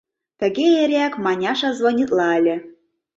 Тыге эреак Маняша звонитла ыле.